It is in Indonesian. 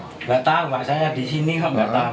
nggak tahu pak saya di sini pak nggak tahu